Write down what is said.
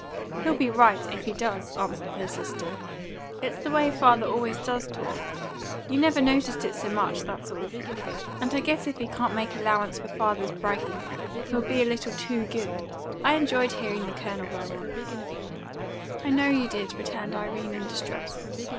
"He'll be right if he does," answered her sister. "It's the way father always does talk. You never noticed it so much, that's all. And I guess if he can't make allowance for father's bragging, he'll be a little too good. I enjoyed hearing the Colonel go on." "I know you did," returned Irene in distress.